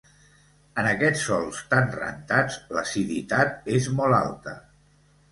En aquests sòls tan rentats l'aciditat és molt alta.